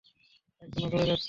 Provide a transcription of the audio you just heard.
এখনো করে যাচ্ছি।